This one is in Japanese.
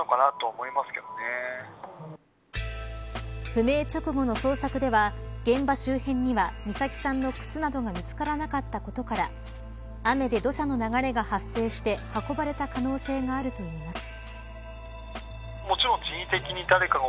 不明直後の捜索では現場周辺には美咲さんの靴などが見つからなかったことから雨で土砂の流れが発生して運ばれた可能性があるといいます。